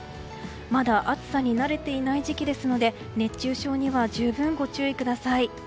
まだ暑さに慣れていない時期ですので熱中症には十分ご注意ください。